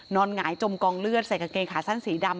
หงายจมกองเลือดใส่กางเกงขาสั้นสีดำ